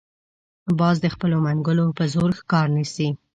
باز د خپلو منګولو په زور ښکار نیسي